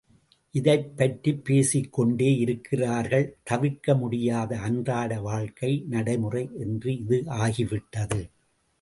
இதைப் பற்றிப் பேசிக்கொண்டே இருக்கிறார்கள் தவிர்க்க முடியாத அன்றாட வாழ்க்கை நடைமுறை என்று இது ஆகிவிட்டது.